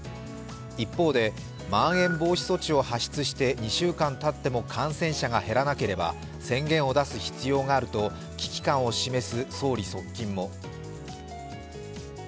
一方でまん延防止措置を発出して２週間たっても感染者が減らなければ宣言を出す必要があると危機感を示す総理側近も。